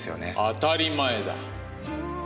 当たり前だ。